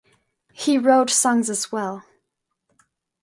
He wrote songs as well.